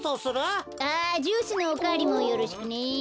あジュースのおかわりもよろしくね。